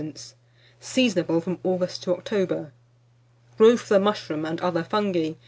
Seasonable from August to October. GROWTH OF THE MUSHROOM AND OTHER FUNGI.